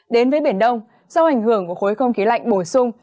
đến với biển đông do ảnh hưởng của khối không khí lạnh bổ sung